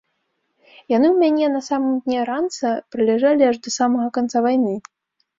Яны ў мяне, на самым дне ранца, праляжалі аж да самага канца вайны.